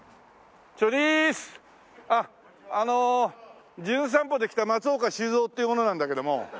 あの『じゅん散歩』で来た松岡修造っていう者なんだけども。